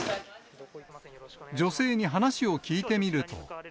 女性に話を聞いてみると。